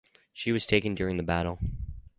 She was taken during the battle.